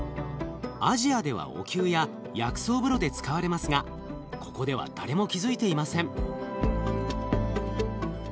アジアではおきゅうや薬草風呂で使われますがここでは誰も気付いていません。